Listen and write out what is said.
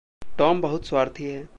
Tom बहुत स्वार्थी है।